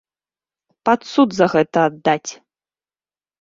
Пад суд за гэта аддаць!